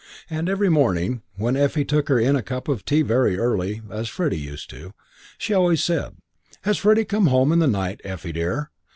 And every morning, when Effie took her in a cup of tea very early (as Freddie used to), she always said, "Has Freddie come home in the night, Effie, dear?